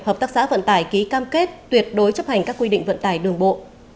hợp tác xã vận tải ký cam kết tuyệt đối chấp hành các quy định vận tải đường bộ